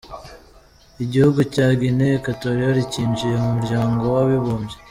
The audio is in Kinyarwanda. Igihugu cya Guinee Equatorial cyinjije mu muryango w’abibumbye.